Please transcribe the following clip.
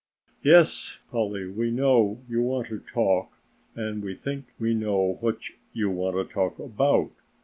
"Yes, Polly, we know you want to talk and we think we know what you want to talk about.